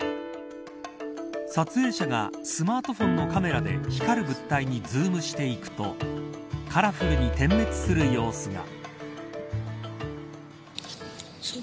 撮影者がスマートフォンのカメラで光る物体にズームしていくとカラフルに点滅する様子が。